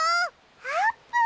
あーぷん！